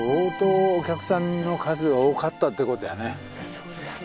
そうですね。